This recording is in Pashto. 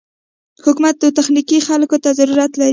حکومت و تخنيکي خلکو ته ضرورت لري.